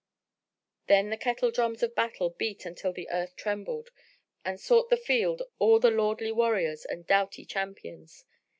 Then the kettle drums of battle beat until earth trembled, and sought the field all the lordly warriors and doughty champions.